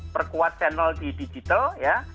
perkuat channel di digital ya